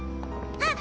あっ！